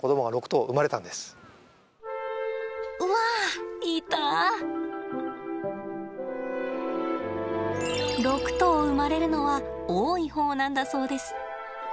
６頭生まれるのは多い方なんだそうです。